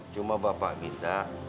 cuma bapak minta